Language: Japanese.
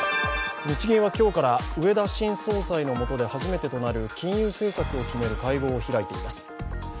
日銀は今日から植田新総裁の下で初めてとなる金融政策を決める会合を開いています。